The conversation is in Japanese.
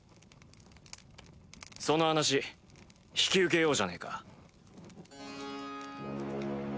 その話引き受けようじゃねえか。